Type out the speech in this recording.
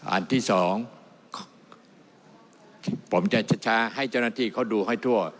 อันที่สองผมจะช้าให้เจ้าหน้าที่เขาดูให้ทั่ว